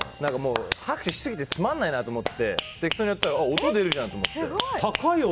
拍手しすぎてつまらないなと思って適当にやったら音出るじゃんと思って。